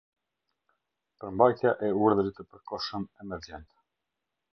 Përmbajtja e urdhrit të përkohshëm emergjent.